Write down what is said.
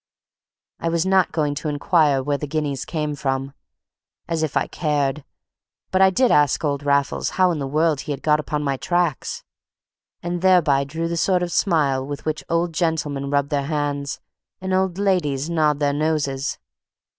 I was not going to inquire where the guineas came from. As if I cared! But I did ask old Raffles how in the world he had got upon my tracks; and thereby drew the sort of smile with which old gentlemen rub their hands, and old ladies nod their noses.